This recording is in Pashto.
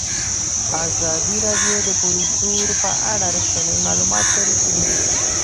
ازادي راډیو د کلتور په اړه رښتیني معلومات شریک کړي.